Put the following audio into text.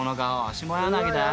下柳だよ］